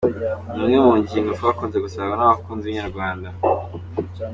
Ni imwe mu ngingo twakunze gusabwa n’abakunzi ba inyarwanda.